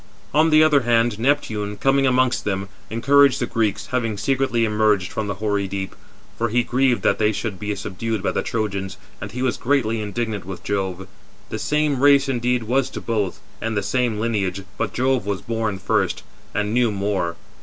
On the other hand, Neptune, coming amongst them, encouraged the Greeks, having secretly emerged from the hoary deep; for he grieved that they should be subdued by the Trojans, and he was greatly indignant with Jove. The same race indeed was to both, and the same lineage, but Jove was born first, 422 and knew more.